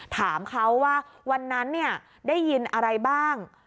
ถามเขาว่าวันนั้นได้ยินอะไรบ้าง